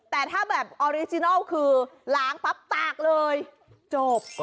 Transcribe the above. แต่ถ้าแบบออริจินัลคือล้างปั๊บตากเลยจบ